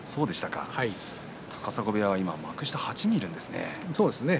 高砂部屋は幕下が８人いるんですね。